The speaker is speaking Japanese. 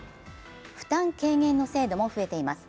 負担軽減の制度も増えています。